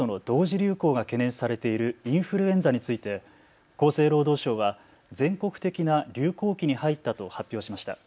流行が懸念されているインフルエンザについて厚生労働省は全国的な流行期に入ったと発表しました。